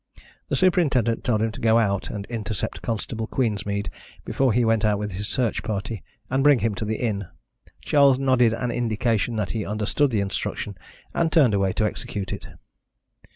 The superintendent told him to go out and intercept Constable Queensmead before he went out with his search party, and bring him to the inn. Charles nodded an indication that he understood the instruction, and turned away to execute it.